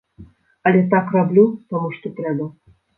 Але так раблю, таму што трэба.